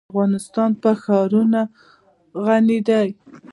افغانستان په ښارونه غني دی.